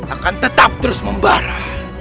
akan tetap terus membara